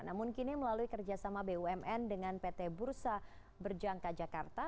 namun kini melalui kerjasama bumn dengan pt bursa berjangka jakarta